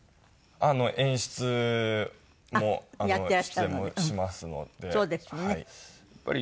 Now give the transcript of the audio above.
演出も出演もしますので。